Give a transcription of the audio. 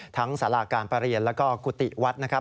ทั้งศาลาการประเรียนและก็กุฏิวัดนะครับ